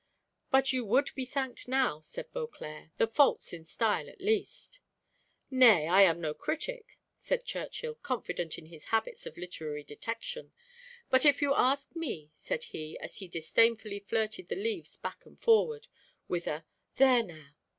"But you would be thanked now," said Beauclerc: "the faults in style, at least." "Nay, I am no critic," said Churchill, confident in his habits of literary detection; "but if you ask me," said he, as he disdainfully flirted the leaves back and forward with a "There now!"